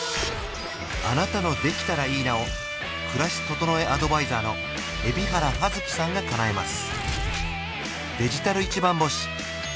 あなたの「できたらいいな」を暮らし整えアドバイザーの海老原葉月さんがかなえます